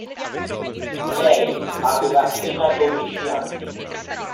Lei aveva appena dodici anni.